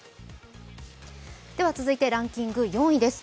続いてランキング４位です。